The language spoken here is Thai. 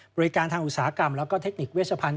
บริการทางอุตสาหกรรมแล้วก็เทคนิคเวชพันธ์